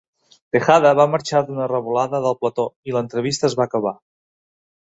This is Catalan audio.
Tejada va marxar d'una revolada del plató i l'entrevista es va acabar.